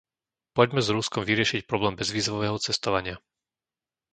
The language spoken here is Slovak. Poďme s Ruskom vyriešiť problém bezvízového cestovania.